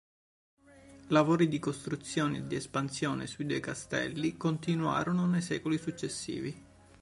Lavori di costruzione e di espansione sui due castelli continuarono nei secoli successivi.